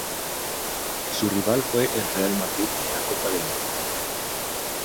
Su rival fue el Real Madrid en la Copa de Europa.